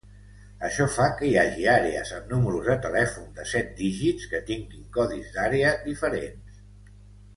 Això fa que hi hagi àrees amb números de telèfon de set dígits que tinguin codis d'àrea diferents.